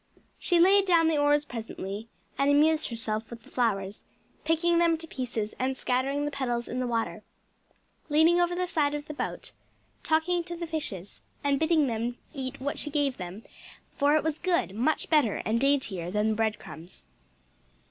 She laid down the oars presently, and amused herself with the flowers, picking them to pieces and scattering the petals in the water, leaning over the side of the boat, talking to the fishes, and bidding them eat what she gave them, "for it was good, much better and daintier than bread crumbs."